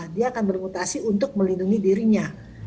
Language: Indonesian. dia akan bermutasi untuk melindungi dirinya